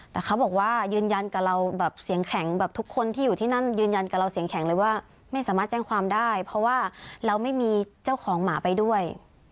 แต่เขาบอกว่ายืนยันกับเราแบบเสียงแข็งแบบทุกคนที่อยู่ที่นั่นยืนยันกับเราเสียงแข็งเลยว่าไม่สามารถแจ้งความได้เพราะว่าเราไม่มีเจ้าของหมาไปด้วย